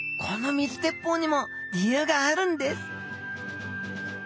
この水鉄砲にも理由があるんです。